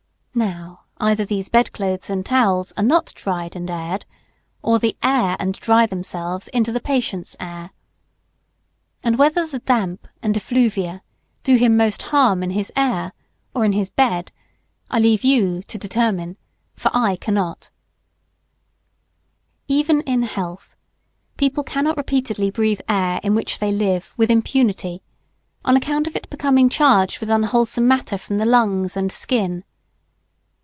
Now either these bed clothes and towels are not dried and aired, or they dry and air themselves into the patient's air. And whether the damp and effluvia do him most harm in his air or in his bed, I leave to you to determine, for I cannot. [Sidenote: Effluvia from excreta.] Even in health people cannot repeatedly breathe air in which they live with impunity, on account of its becoming charged with unwholesome matter from the lungs and skin.